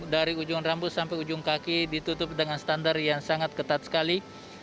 dari ujung rambut sampai ujung kaki ditutup dengan standar yang sangat ketat sekali